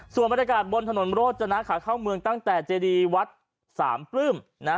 ส่วนบรรยากาศบนถนนโรจนะขาเข้าเมืองตั้งแต่เจดีวัดสามปลื้มนะ